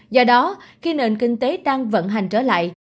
do đó khi nền kinh tế đang vận hành trở lại